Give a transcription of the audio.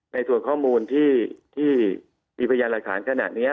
ในส่วนข้อมูลที่มีพยานหลักฐานขนาดนี้